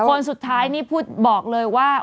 คนสุดท้ายนี่พูดบอกเลยว่า